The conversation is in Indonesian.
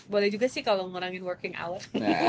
boleh juga sih kalau ngurangin working hour